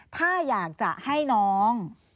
ถ้าอยากจะให้น้อง